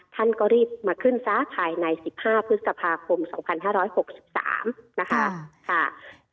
ท่านก็รีบมาขึ้นซะภายใน๑๕พฤษภาคม๒๕๖๓นะคะ